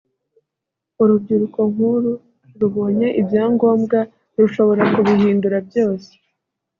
urubyiruko nk’uru rubonye ibyangombwa rushobora kubihindura byose